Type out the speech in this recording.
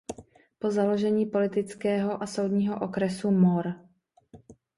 Po založení politického a soudního okresu Mor.